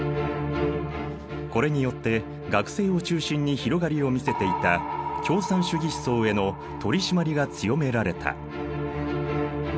これによって学生を中心に広がりを見せていた共産主義思想への取締りが強められた。